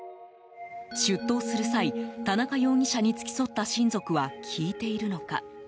出頭する際田中容疑者に付き添った親族は聞いているのか。